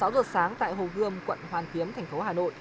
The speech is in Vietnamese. sáu giờ sáng tại hồ gươm quận hoàn kiếm thành phố hà nội